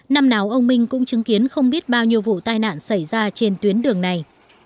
năm nào ông minh cũng chứng kiến không biết bao nhiêu vụ tai nạn xảy ra trên tuyến đường này